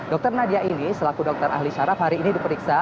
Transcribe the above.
dr nadia ini selaku dokter ahli syaraf hari ini diperiksa